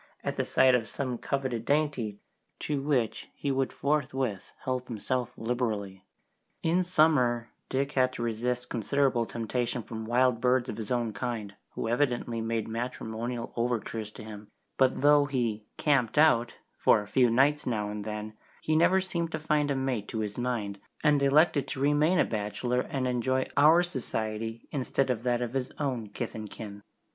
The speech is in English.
at the sight of some coveted dainty, to which he would forthwith help himself liberally. In summer Dick had to resist considerable temptation from wild birds of his own kind, who evidently made matrimonial overtures to him, but though he "camped out" for a few nights now and then, he never seemed to find a mate to his mind, and elected to remain a bachelor and enjoy our society instead of that of his own kith and kin.